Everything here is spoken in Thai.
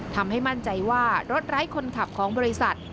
ทำให้มั่นใจว่ารถไร้คนขับของบริษัท